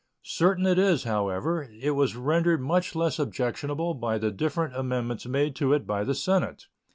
Certain it is, however, it was rendered much less objectionable by the different amendments made to it by the Senate.